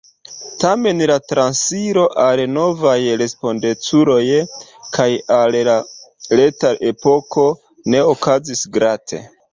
Tamen la transiro al novaj respondeculoj kaj al la reta epoko ne okazis glate.